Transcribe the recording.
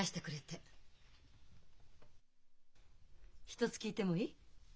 一つ聞いてもいい？